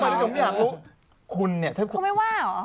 คุณเนี่ยถ้าคนให้ผู้คุณมีผัวไม่ว่าเหรอ